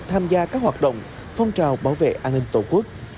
tham gia các hoạt động phong trào bảo vệ an ninh tổ quốc